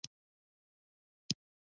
آزاد تجارت مهم دی ځکه چې فلمونه خپروي.